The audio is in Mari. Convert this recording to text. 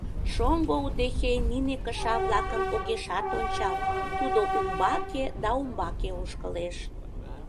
Шоҥго удэхей нине кыша-влакым огешат ончал, тудо умбаке да умбаке ошкылеш.